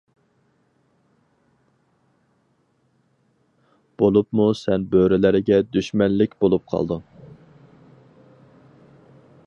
بولۇپمۇ سەن بۆرىلەرگە دۈشمەنلىك بولۇپ قالدىڭ.